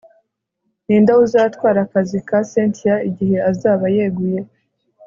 Ninde uzatwara akazi ka Cynthia igihe azaba yeguye